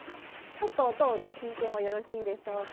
ちょっと音を聞いてもよろしいでしょうか。